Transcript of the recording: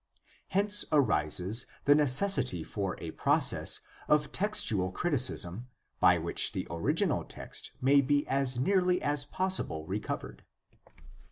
Hence arises the necessity for a process of textual criticism by which the original text may be as nearly as possible recovered (cf.